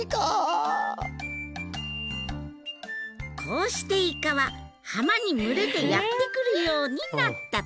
こうしてイカは浜に群れでやって来るようになったとさ。